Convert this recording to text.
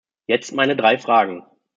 Jetzt meine drei Fragen.